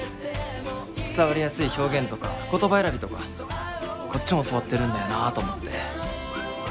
伝わりやすい表現とか言葉選びとかこっちも教わってるんだよなと思って。